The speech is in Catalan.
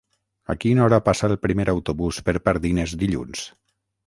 A quina hora passa el primer autobús per Pardines dilluns?